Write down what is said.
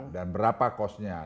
dan berapa cost nya